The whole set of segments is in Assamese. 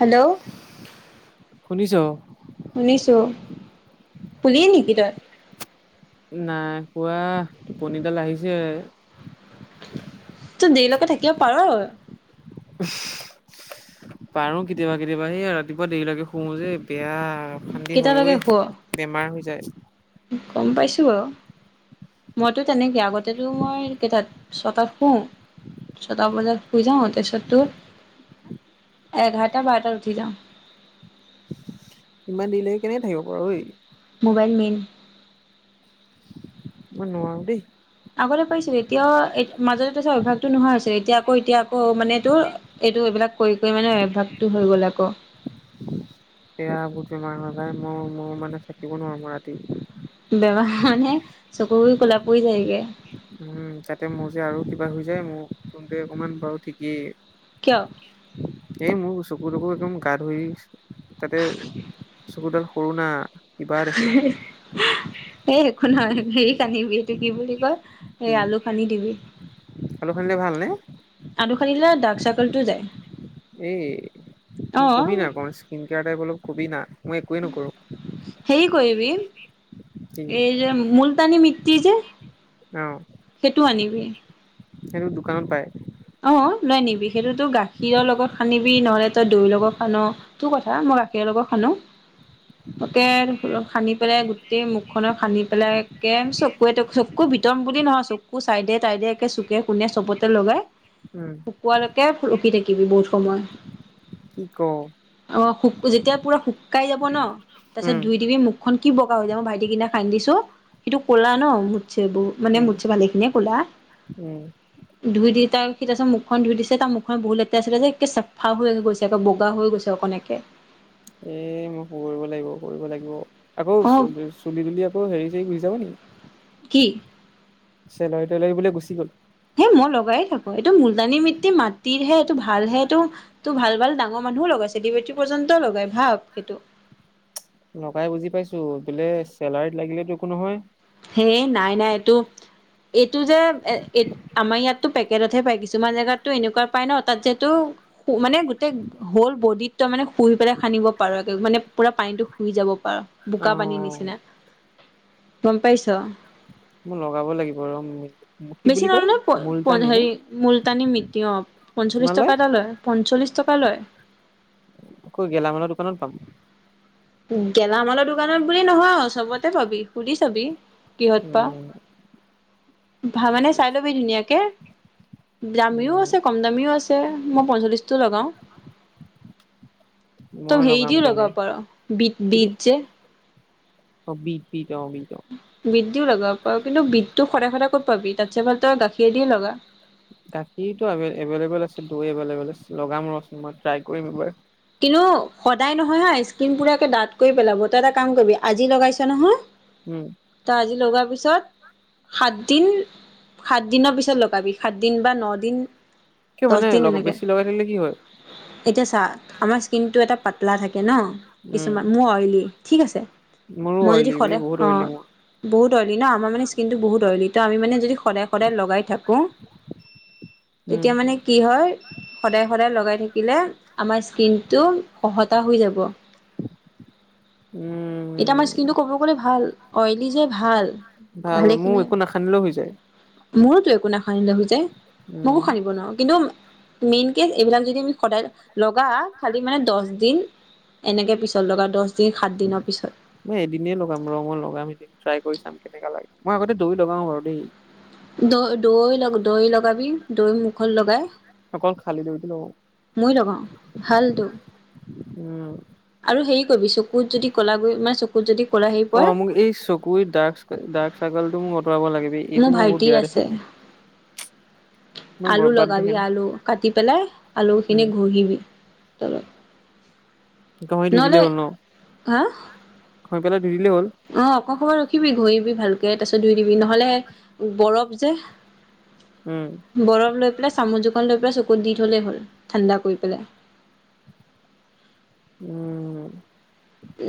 হেল্ল' শুনিছ শুনিছোঁ শুলিয়েই নেকি তই? নাই শুৱা টোপনিডাল আহিছে। তই দেৰিলৈকে থাকিব পাৰ? উহু পাৰোঁ কেতিয়াবা কেতিয়াবা সেয়া ৰাতিপুৱা দেৰিলৈকে শুও যে বেয়া অশান্তি হৈ কেইটালৈকে ঐ শুৱ বেমাৰ হৈ যায়। গম পাইছোঁ বাৰু মইতো তেনেকে আগতেটো মই কেইটাত ছটাত শুও ছটা বজাত শুই যাওঁ তাৰপিছত তো এঘাৰটা বাৰটাত উঠি যাওঁ। ইমান দেৰিলৈকে কেনেকে থাকিব পাৰ ঐ? Mobile main. মই নোৱাৰোঁ দেই। আগতে পাৰিছিলোঁ এতিয়াও এ মাজতে তাৰপিছত অভ্যাসটো নোহোৱা হৈছিল এতিয়া আকৌ এতিয়া আকৌ মানে তোৰ এইটো এইবিলাক কৰি কৰি মানে অভ্যাসটো হৈ গ'ল আকৌ। সেয়া বহুত বেমাৰ হৈ যায় মই মই মানে থাকিব নোৱাৰো মই ৰাতি। বেমাৰ মানে চকু গুৰি ক'লা পৰি যায়গে। উম তাতে মোৰ যে আৰু কিবা হৈ যায় মোক তোতে অকণমান বাৰু ঠিকেই। কিয়? এই মোৰ চকু তকো একদম গা ধৰি গৈছে তাতে চকুডাল সৰু না। কিবা দেখে এহু এ একো নহয় সেই কান্দিব এইটো কি বুলি কয় এই কি আলু খানি দিবি। আলু খানিলে ভাল নে? আলু খানিলে ডাৰ্ক চাৰ্কটো যায়। এই মোক কবি না অ', অকণ ইস্কিন কেয়াৰ টাইপ অলপ কবি না মই একোৱেই নকৰোঁ। সেই কৰিবি কি এই যে মূলতানী মিটি যে অহ সেইটো আনিবি সেইটো দোকানত পাই। অ লৈ অনিবি সেইটোতো গাখীৰ লগত হানিবি নহলে তই দৈৰ লগত হান তোৰ কথা মই গাখীৰ লগত হানো। [unintelligible] হানী পেলাই গোটেই মুখে চুখেনক হানী পেলাই একে চকুৱে চকুৱে কু বিতম বুলি নহয় চকুৰ চাইডে তাইডে একে চুকে কোনে চবতে লগাই, উম শুকোৱালৈকে ৰখি থাকিবি বহুত সময়। কি ক অ শু যেতিয়া পুৰা শুকাই যাব ন তাৰপিছত উম ধুই দিবি মু খন কি বগা হৈ হৈছোয় মই ভাইটি সেইদিনা হানিছো সিটো ক'লা ন মুঠছে বহুত। মানে উম মুঠ চে ভালিখিনিয়ে ক'লা উম দুই দুটাক, সি তাৰিছত মুখন ধুই দিছে তাৰ মুখন বহুত লতেৰাছিল যে একে চাফা হৈ গৈছে একৌ বগা হৈ গৈছে অকণ একে, এ মোক কৰিব লাগিব কৰিব লাগিব আকৌ, অ তুলি আকৌ হৰি গৰি যাব নেকি, কি। চেলাৰি তেলাৰি বোলে গুচি গ'ল। হে মই লগাই থাকো এইটো মূলতানী মিটি মাটিৰ হে এইটো ভাল হে এইটো, তো ভাল ভাল ডাঙৰ মানুহও লগাই ছেলিবেটি পৰ্যন্তও লগাই ভাব সেইটো। লগাই বুজি পাইছো বোলে চেলাৰীত লাগিলেটো একো নহয়। হে নাই নাই এটো, এইটো যে আমাৰ ইয়াতো পেকেটতহে পায় কিছুমান জেগাত। এনেকুৱা পাই ন তাত যিহেতটো মানে গোটেই হ'ল বডিত, ত মানে শুই পেলাই খানিব পাৰো এক মানে পুৰা পানীটো শুই যাব পাৰো অ বোকা পানীৰ নিচিনা। গম পাইছ। মই লগাব লাগিব ৰোম গৈ। বেছি নহ নহ হেৰি মুলতানী মিতিয় অ, পঞ্চল্লিশ টকা এটা লয় পঞ্চল্লিশ টকা লয়। ক গেলা মালৰ দোকানত পাম। গেলা মালৰ দোকানত বুলি নহয় চবতে পাবি সুধি চাবি কিহত পাও, উম ভানে চাই লবি ধুনীয়াকে, দামীও উম আছে কম দামীও আছে মই পঞ্চল্লিশটো লগাওঁ, মই তম হেৰি লগাম দিও তেনে লগাব পাৰি বিট বিট যে, অ বিট বিট অ বিট, বিট দিও লগাব পাও কিন্তু বিটটো সদায় সদায় ক'ত পাবি তাতছে ভাল তই গাখীৰদিও লগা। গাখীৰতটো এভেইলেবল আছে দৈ এভেইলেবল আছে লগাম ৰচোন মই ট্ৰাই কৰিম এবাৰ। কিন্তু সদায় নহয় হা স্কিন পোৰা একে ডাঁত, কৰি পেলাব তই এটা কাম কৰিবি আজি লগাইছ নহয় উম তই আজি লগোৱাৰ পিছত। সাতদিন সাতদিনৰ পিছত লগাবি সাতদিন বা ন দিন। কিয় দহ মানে দিন লগ এনেকে বেছি লগাই থাকিলে কি হয় এতিয়া চা আমাৰ স্কিনটো এটা প পাতলা থাকে ন উম কিছুমান মোৰ অইলী ঠিক আছে মোৰো মই অইলি যদি বে সদায় বহুত অইলি অঁ, মোৰ বহুত অইলি ন আমাৰ মানে স্কিনটো বহুত অইলী ত আমি মানে যদি সদায় সদায় লগাই থাকো। উম তেতিয়া মানে কি হয় সদায় সদায় লগাই থাকিলে আমাৰ কিন্তু খহতা হৈ যাব। উম, এতিয়া আমাৰ স্কিনটো কবগলে ভাল অইলি যে ভাল। ভাল মোৰ ভালেখিনিয়ে একো নাসানিলেও হৈ যায়। মোৰোতো একো নাসানিলে আহোঁতে। উম মইয়ো সানিব নোৱাৰোঁ। কিন্তু, মেইনকে, এইবিলাক যদি আমি সদায় লগাওঁ। খালি মানে, দহ দিন, এনেকে পিছত লগাও, দহ দিন-সাত দিনৰ পিছত। মই এদিনে লগাম ৰ' লগাম, এদিন ট্ৰাই কৰি চাম, কেনেকা লাগে। মই আগতে দৈয়ো লগাও বাৰু দেই। দৈ-দৈ দৈ লগাবি, দৈ মুখত লগাই। অকল খালি দৈটো লগাওঁ। মই লগাওঁ, ভালতো। উম! আৰু হেৰি কৰিবি, চকুত যদি ক'লা গুৰি, মানে, চকুত যদি ক'লা হেৰি অ পৰে, মোক এই, চকুৰ ডাৰ্ক-ডাৰ্ক চাৰ্কলটো মোক আতৰাব লাগে বে। এইটো মোৰ বহুত ভাইটিৰ বেয়া দেখে! আছে ইমান আলু বৰবাদ লগাবি, দেখে ন। আলু। কাটি পেলাই, আলু খিনি উম ঘহিবি তলত। তই দি দিলেই নহ'লে হ'ল ন'। হা? গৈ পেলাই ধুই দিলেই হ'ল। অ'! অকমান ৰখিবি, ঘহিবি ভালকে। তাৰ পিছত, ধুই দিবি, নহ'লে বৰফ যে। [inaudible] উম! বৰফ লৈ পেলাই, চামুচ এখন লৈ পেলাই, চকুত দি থলেই হ'ল, ঠাণ্ডা কৰি পেলাই। উম!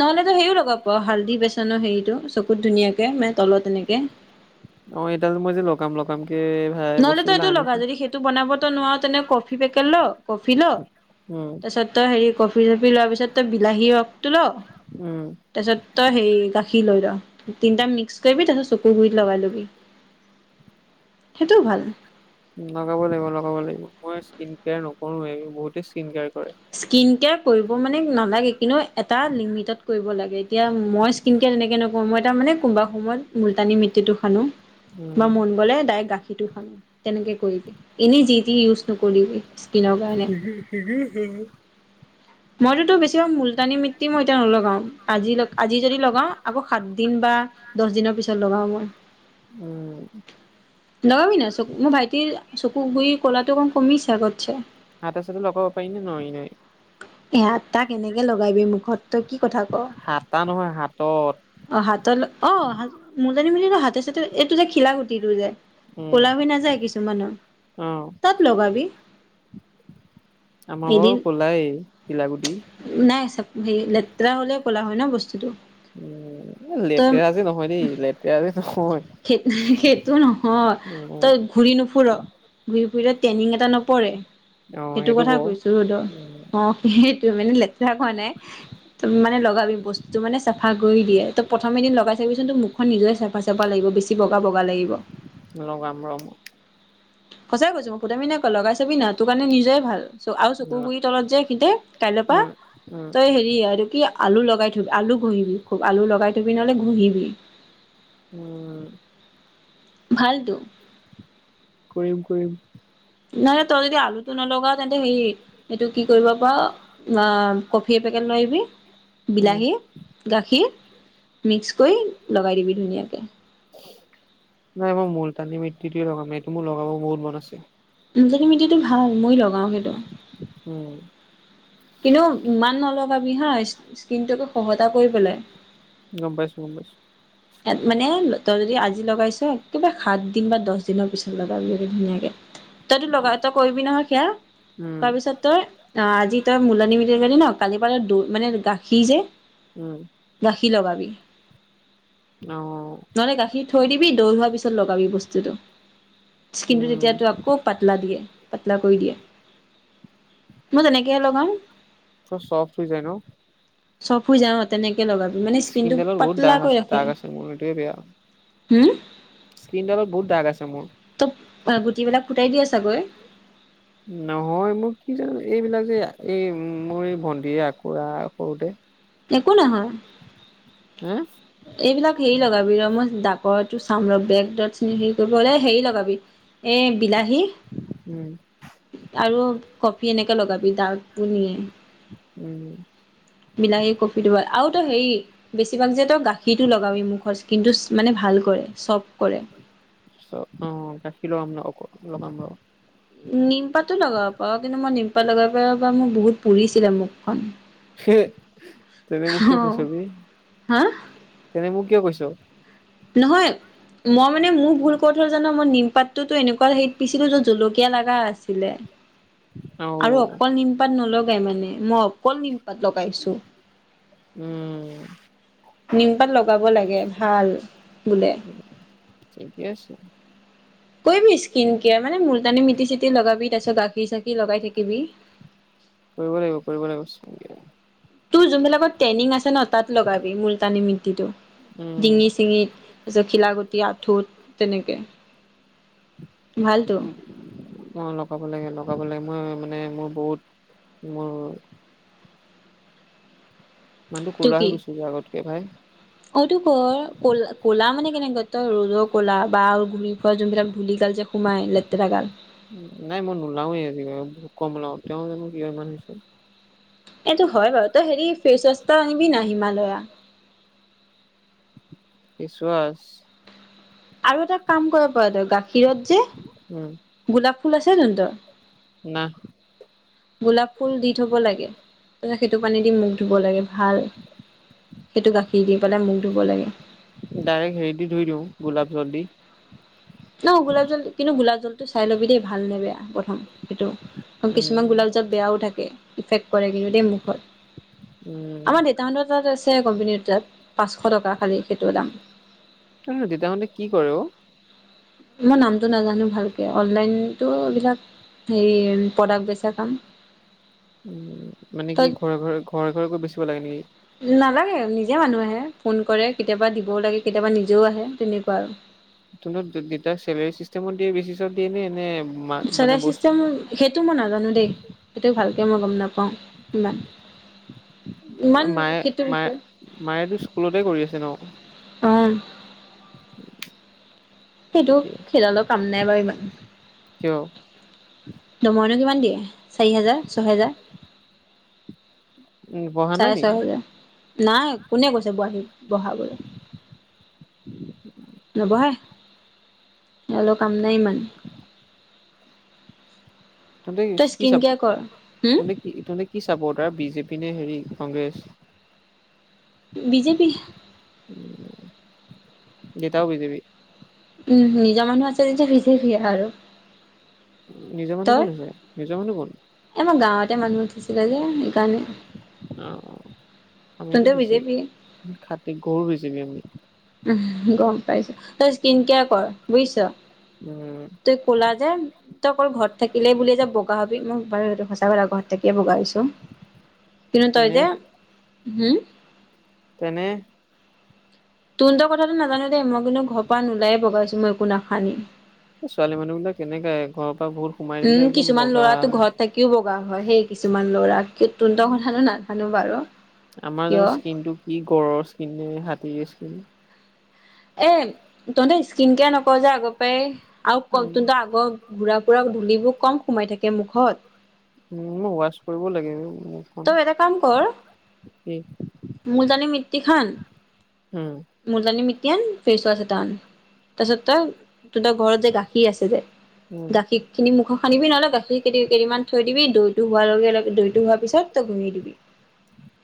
নহ'লেতো সেৰিও লগাব পাৰ, হালধি বেচনৰ সেৰিটো চকুত ধুনীয়াকে! মানে, তলত এনেকে। অ'! এডাল মই যে, লগাম-লগামকে নহ'লে, তই এইটো লগা যদি, সেইটো বনাবতো নোৱাৰ, তেনে কফি পেকেট ল', কফি ল'। উম! তাৰপিছত তই সেৰি, কফি-চফি লোৱাৰ পিছত, তই বিলাহী ৰসটো ল'। উম তাৰপিছত, তই সেৰি, গাখীৰ লৈ ল', তিনটা মিক্স কৰিবি। তাৰপিছত, চকুৰ গুৰিত লগাই লগাবি। সেইটোও ভাল! লগাব লাগিব, লগাব লাগিব। মই স্কিন কেয়াৰ নকৰোৱে, এই বহুতেই স্কিন কেয়াৰ কৰে। স্কিন কেয়াৰ কৰিব মানে, নালাগে। কিন্তু, এটা লিমিটত কৰিব লাগে। এতিয়া, মই স্কিন কেয়াৰ তেনেকে নক মই তাৰমানে, কোনোবা সময়ত, মূলতানি মিট্টিটো সানো উম বা মন গ'লে, ডাইৰেক্ট গাখীৰটো সানো। তেনেকে কৰিবি। এনেই, যি তি ইউজ নকৰিবি স্কিনৰ কাৰণে। [unintelligible] মইতোতো বেছিভাগ, মূলতানি মিট্টি, মই এতিয়া, নলগাওঁ। আজি, আজি যদি লগাওঁ, আকৌ সাত দিন বা দহ দিনৰ পিছত লগাওঁ মই। উম! লগাবি নাই? [unintelligible] মোৰ ভাইটিৰ চকু গুৰি ক'লাটো অকণ কমিছে, আগতছে। আটা-চাটা লগাব পাৰি নে নোৱাৰি-নোৱাৰি? এ, আটা কেনেকে লগাই বে মুখত, তই কি কথা ক'? হাতা নহয় হাতত অ'! হাতৰ অ'! মূলতানি মিট্টিটো হাতে-চাতে, এইটো যে, ঘিলা গুটিটো যে। উম ক'লা হয় নাযায় কিছুমানৰ, অ তাত লগাবি। আমাৰ বাৰু এদিন ক'লাই, ঘিলাগুটি। নাই চব, সেৰি লেতেৰা হ'লেও, ক'লা হয় ন' বস্তুটো। উম! এ, তই লেতেৰাজে নহয় দেই, লেতেৰাজে নহয়। সেই, সেইটো নহয়, উম তই ঘূৰি নুফুৰ। ঘূৰি ফুৰিলে, টেনিং এটা নপৰে। অ সেইটো কথা ক কৈছো, ৰ' উম অ'! সেইটোৱে মানে, লে বিলাক হোৱা নাই। ত' মানে লগাবি বস্তু মানে চাফা কৰি দিয়ে ত' প্ৰথম এদিন লগাই চাবিচোন তোৰ মুখখন নিজে চাফা চাফা লাগিব বেছি বগা বগা লাগিব। লগাম ৰ' মই। সঁচাকে কৈছোঁ মই ফটুৱামি নাইকৰা লগাই চাবি না তোৰ কাৰণে নিজৰে ভাল। চ আৰু চকুৰ উম গুৰি তলত যে সেইখিনিতে কাইলৈৰ পৰা উম উম তই সেই সেই এইটো কি আলু লগাই থবি আলু ঘঁহিবি খুব আলু লগাই থবি নহ'লে ঘঁহিবি। উম। ভালটো। কৰিম কৰিম। নহ'লে তই যদি আলুটো নলগাৱ তেন্তে সেই এইটো কি কৰিব পাৰ অ কফি এপেকেট লৈ আহিবি। উম বিলাহী, গাখীৰ মিক্স কৰি লগাই দিবি ধুনীয়াকে। নাই মই মূলতানী মিটিটোৱে লগাম এইটো মোৰ লগাব বহুত মন আছে। মূলতানী মিটিটো ভাল ময়ো লগাওঁ সেইটো। উম। কিন্তু ইমান নলগাবি হা স্কি স্কিনটো আকৌ খহতা কৰি পেলাই। গম পাইছোঁ গম পাইছোঁ। ইয়াত মানে তই যদি আজি লগাইছ একেবাৰে সাত দিন বা দছ দিনৰ পিছত লগাব যদি ধুনীয়াকে। তইতো লগা তই কৰিবি নহয় সেয়া উম কৰাৰ পিছত তই আ আজি তই মূলতানী মিটি লগালি ন কালিৰ পৰা তই দৈ মানে গাখীৰ যে উম গাখীৰ লগাবি অহ। নহ'লে গাখীৰ থৈ দিবি দৈ হোৱাৰ পিছত লগাবি বস্তুটো। স্কিনটো উম তেতিয়া তো আকৌ পাতলা দিয়ে পাতলা কৰি দিয়ে। মই তেনেকে লগাওঁ। পুৰা চফ্ট হৈ যায় ন? চফ হৈ যাওঁ অ তেনেকে লগাবি মানে স্কিনটো স্কিনডালত বহুত পাতলা দাগ কৰি আছে ৰাখ দাগ আছে মোৰ এইটোৱে বেয়া। হোম? স্কিন ডালত বহুত দাগ আছে মোৰ। ত' আ গুটিবিলাক ফুটাই দিয়া চাগৈ? নহয় মোৰ কি জানো এইবিলাক যে এই মোৰ এই ভন্টিয়ে আখুৰা সৰুতে একো নহয়। হে? এইবিলাক হেৰী লগাবি ৰ মই ডাকৰটো চাম ৰ বেগদতচ খিনি হেৰী কৰিবলে হেৰী লগাবি। এ বিলাহী উম। আৰু কফি এনেকে লগাবি দাগবোৰ নিয়ে। উম। বিলাহী, কফি দিবা আৰু তোৰ হেৰী বেছিভাগ যে তই গাখী গাখীটো লগাবি মুখৰ স্কিনটো মানে ভাল কৰে চফ কৰে। চফ অ গাখীৰ লগাম ন লগাম ৰ'। নিমপাতো লগাব পাৰ। কিন্তু মই নিমপাত লগাব পাৰ পা মোৰ বহুত পুৰিছিলে মুখখন। সে তেনে মোক কিয় অ কৈছ বে? হা তেনে মোক কিয় কৈছ? নহয় মই মানে মোৰ ভুল ক'ত হ'ল জান মই নিমপাতটোতো এনেকুৱা হেৰীত পিছিলো য'ত জলকীয়া লাগা আছিলে। অ আৰু অকল নিমপাত নলগাই মানে, মই অকল নিমপাত লগাইছো। উম! উম! নিমপাত লগাব লাগে ভাল বোলে। ঠিকে আছে, [inaudible] কৈবি স্কিন কেয়াৰ, মানে মূল তানি মিটি চিতি লগাবি, তাৰপিছত গাখীৰ চাখি লগাই থাকিবি। কৰিব লাগিব, কৰিব লাগিব। তোৰ, যোনবিলাকত টেইনিং আছে ন তাত লগাবি মুলতানি মিটিটো। উম, ডিঙি-চিঙিত, তাৰপিছত খিলাগুটি, আঁঠুত তেনেকে ভালতো উম! অ লগাব লাগে লগাব লাগে, মই মানে মোৰ বহুত মোৰ মানুহটো কুলা হৈ গৈছো যে আগতকে ভাই। অটো ক কলা ক'লা মানে কেনেকা তই ৰ'দৰ কলা বা গুৰি যোনবিলাক ধূলি গাল যে সোমাই লেতেৰা গাল। উ নাই মই নোলাওৱে আজি কালি বহুত কম উলাও। তেওঁ জানো কিয় ইমান হৈছে? এইটো হয় বাৰু তই হেৰি ফেচৱাচটো আনিবি না হিমালয়া ফেছৱাছ আৰু এটা কাম কৰিব পাৰ তই গাখীৰত যে উম! গোলাপ ফুল আছে তহতৰ? নাহ! গোলাপ ফুল দি থব লাগে, তাৰপিছত সেইটো পানী দি মুখ ধুব লাগে, ভাল! সেইটো গাখীৰ দি পেলাই মুখ ধুব লাগে। ডাইৰেক্ট হেৰি দি ধুই দিওঁ, গোলাপ জল দি। ন গোলাপ জল, কিন্তু গোলাপ জলটো চাই লবি দেই। ভাল নে বেয়া! প্ৰথম সেইটো উম, কিছুমান গোলাপ জল বেয়াও থাকে, ইফেক্ট কৰে কিন্তু দেই মুখত। উম, আমাৰ দেউতাহঁতৰ তাত আছে, কোম্পানীৰ তাত। পাঁচশ টকা খালি সেইটোৰ দাম। তহঁতৰ দেউতাহঁতে কি কৰে অ? মই নামটো নাজানো ভালকে, অনলাইনতো এইবিলাক হেৰি এই প্ৰডাক্ট বেচা কাম। উ মানে কি তই ঘৰে ঘৰে ঘৰে ঘৰে গৈ বেচিব লাগে নেকি? নালাগে! নিজে মানুহ আহে, ফোন কৰে কেতিয়াবা, দিবও লাগে, কেতিয়াবা নিজেও আহে, তেনেকুৱা আৰু। তহঁতৰ দেতাক চেলাৰী চিষ্টেমত দিয়ে বেছি চল দিয়ে নে এনে চেলেৰী চিষ্টেম সেইটো মই নাজানো দেই, সেইটো ভালকে মই গম নাপাওঁ ইমান। ইমান মায়ে, সেইটো মায়ে, বিষয়ে মায়েটো স্কুলতে কৰি আছে ন? অ সেইটো, ঠিকে আছে সেইডালৰ কাম নাই বাৰু ইমান। কিয়? দৰমহানো কিমান দিয়ে? চাৰি হেজাৰ, ছহেজাৰ, উম পঢ়া নাই চাৰে ছয় নেকি হাজাৰ, নাই কোনে কৈছে [unintelligible] নবঢ়াই, হেতৰ কাম নাই ইমান। তন্ততে তই কি স্কিন কেয়াৰ কৰ চাপৰট, হম তন্ততে কি চাপৰ্টাৰ বিজেপি নে হেৰি কংগ্ৰেছ? বিজেপি। উম! দেতাউ বিজেপি? উম! নিজৰ মানুহ আছে যেতিয়া, বিজেপিয়ে আৰু। নিজৰ মানুহ তই কোন আছে? নিজৰ মানুহ কোন? এ আমাৰ গাঁৱতে মানুহ উঠিছিলে যে সেইকাৰণে। অ অ। তেন্তে বি জে পি। উম খাটি গৰু বেচিবি আমি। উহুম গম পাইছো, তই স্কিন কেয়াৰ কৰ বুজিছ? উম। তই ক'লা যে, তই অকল ঘৰত থাকিলে বুলিয়ে যে বগা হবি মই বাৰু সেইটো সঁচা কথা ঘৰত থাকিয়ে বগা হ ছোঁ কিন্তু তই তেনে যে উম? তেনে তুহনতৰ কথাটো নাজানো দেই মই কিন্তু ঘৰ পৰা নোলায়েগাইছো মই একো নাখানি। এই ছোৱালী মানুহবিলাক এনেকায়ে ঘৰৰ পৰা বু উম কিছুমান ল'ৰাটো ঘৰত থাকিও বগা হয় সেই কিছুমান ল'ৰা তুন্তৰ কথানো না আনু বাৰু। আমাৰ ত কিয় স্কিনটো কি গড়ৰ স্কিন নে হাতীৰ স্কিন? এ তহঁতে স্কিন কেয়াৰ নকৰ যে আগৰ পৰাই আৰু ক উম তহতৰ আগৰ ঘোঁৰাবোৰক ধূলিবোৰ কম সোমাই থাকে মুখত। উম মই ৱাছ কৰিব লাগিব মোক। তই এটা কাম কৰ, মুলতানি মিটটি খান উম। মুলটানি মিটটি আন, ফেচৱাছ এটা আন তাৰপিছত তই সিহঁতৰ ঘৰত যে গাখীৰ আছে যে, উম গাখীৰ খিনি মুখ সানিবি নহ'লে গাখীৰ কেই কেইদিমান থৈ দিবি দৈটো হোৱাৰ লগে লগে দৈটো হোৱাৰ পিছত তই ঘুহি দিবি।